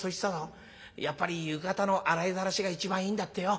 やっぱり浴衣の洗いざらしが一番いいんだってよ。